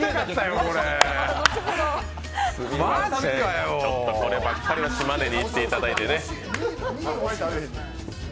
こればっかりは島根に行っていただいてね。